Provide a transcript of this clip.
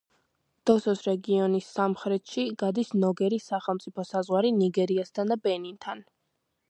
დოსოს რეგიონის სამხრეთში გადის ნიგერის სახელმწიფო საზღვარი ნიგერიასთან და ბენინთან.